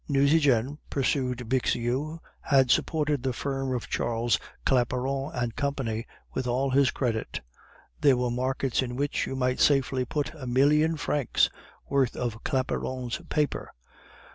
"Nucingen," pursued Bixiou, "had supported the firm of Charles Claparon and Company with all his credit. There were markets in which you might safely put a million francs' worth of Claparon's paper.